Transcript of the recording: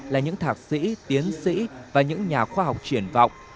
là những thạc sĩ tiến sĩ và những nhà khoa học triển vọng